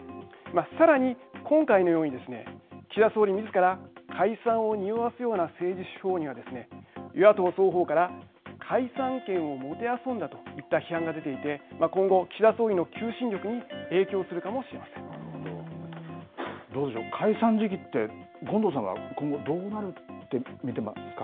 さらに、今回のようにですね岸田総理みずから解散をにおわすような政治手法にはですね与野党双方から解散権をもて遊んだといった批判が出ていて今後、岸田総理の求心力にどうでしょう解散時期って権藤さん今後、どうなるって見てますか。